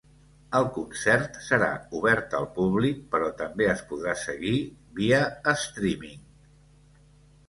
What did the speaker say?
El concert serà obert al públic però també es podrà seguir via ‘streaming’.